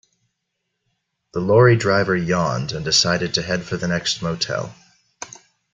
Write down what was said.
The lorry driver yawned and decided to head for the next motel.